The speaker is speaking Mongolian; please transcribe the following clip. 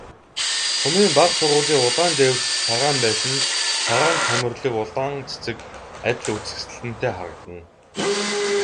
Сумын бага сургуулийн улаан дээвэрт цагаан байшин, цагаан цоморлог улаан цэцэг адил үзэсгэлэнтэй харагдана.